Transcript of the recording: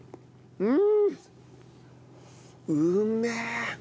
うん。